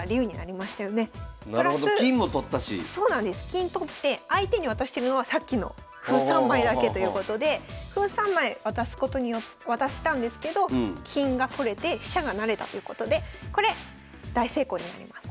金取って相手に渡してるのはさっきの歩３枚だけということで歩３枚渡したんですけど金が取れて飛車が成れたということでこれ大成功になります。